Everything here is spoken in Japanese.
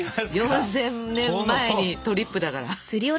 ４，０００年前にトリップだから。